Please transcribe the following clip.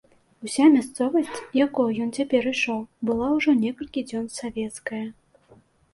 Уся мясцовасць, якою ён цяпер ішоў, была ўжо некалькі дзён савецкая.